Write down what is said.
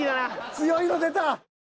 強いの出た。